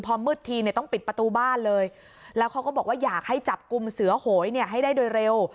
พอมืดทีเนี่ยต้องปิดประตูบ้านเลยแล้วเขาก็บอกว่าอยากให้จับกลุ่มเสือโหยให้ได้โดยเร็ว